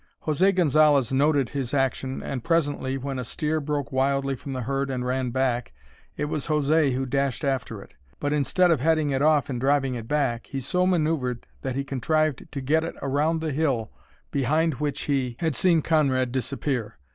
José Gonzalez noted his action and presently, when a steer broke wildly from the herd and ran back, it was José who dashed after it. But, instead of heading it off and driving it back, he so manoeuvred that he contrived to get it around the hill behind which he had seen Conrad disappear.